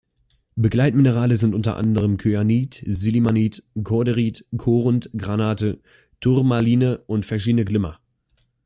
Begleitminerale sind unter anderem Kyanit, Sillimanit, Cordierit, Korund, Granate, Turmaline und verschiedene Glimmer.